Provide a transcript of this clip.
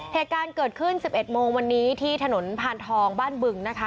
เหตุการณ์เกิดขึ้น๑๑โมงวันนี้ที่ถนนพานทองบ้านบึงนะคะ